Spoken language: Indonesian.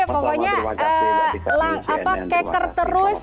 pokoknya keker terus